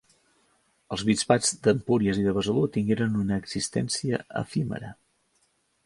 Els bisbats d'Empúries i de Besalú tingueren una existència efímera.